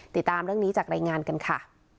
ติดตามเรื่องนี้จากรายงานกันค่ะ